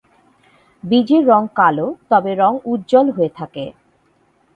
বীজের রং কালো তবে রং উজ্জ্বল হয়ে থাকে।